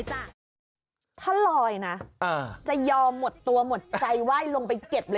จะยอมหมดตัวหมดใจว่ายลงไปเก็บเลย